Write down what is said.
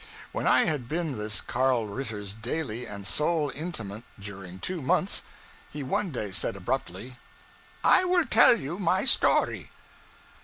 When I had been this Karl Ritter's daily and sole intimate during two months, he one day said, abruptly 'I will tell you my story.'